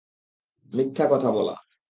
মিথ্যা কথা বলা।